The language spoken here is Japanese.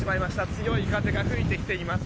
強い風が吹いてきています。